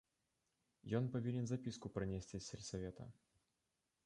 Ён павінен запіску прынесці з сельсавета.